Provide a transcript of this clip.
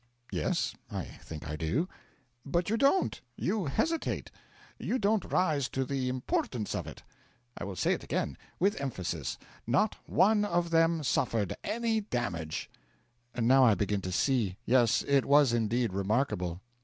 'Yes I think I do.' 'But you don't. You hesitate. You don't rise to the importance of it. I will say it again with emphasis not one of them suffered any damage.' 'Now I begin to see. Yes, it was indeed remarkable.'